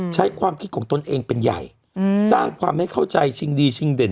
ใช้ความคิดของตนเองเป็นใหญ่สร้างความไม่เข้าใจชิงดีชิงเด่น